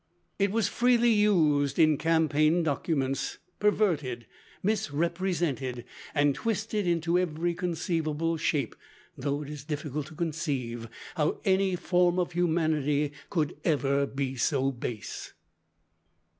It was freely used in "campaign documents," perverted, misrepresented, and twisted into every conceivable shape, though it is difficult to conceive how any form of humanity could ever be so base.